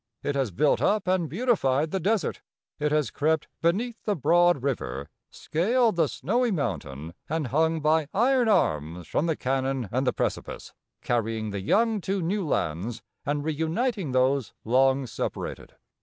It has built up and beautified the desert. It has crept beneath the broad river, scaled the snowy mountain, and hung by iron arms from the canon and the precipice, carrying the young to new lands and reuniting those long separated.